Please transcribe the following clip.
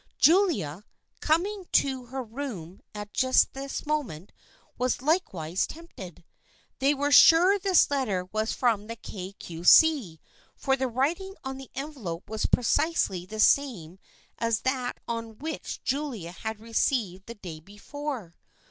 Julia, coming to her room at just this moment, was likewise tempted. They were sure this letter was from the Kay Cue See for the writing on the envelope was precisely the same as that on one which Julia had received the day before.